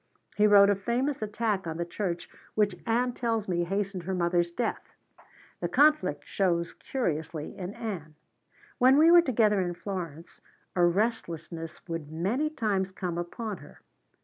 He wrote a famous attack on the church which Ann tells me hastened her mother's death. The conflict shows curiously in Ann. When we were together in Florence a restlessness would many times come upon her.